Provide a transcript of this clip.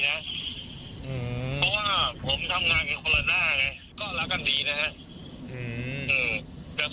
เพราะว่าผมทำงานกันคนละหน้าไงก็รักกันดีนะครับ